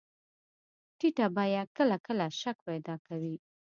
ټیټه بیه کله کله شک پیدا کوي.